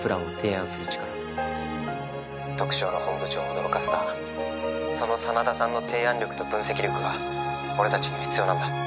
「トクショーの本部長を驚かせたその真田さんの提案力と分析力が俺たちには必要なんだ」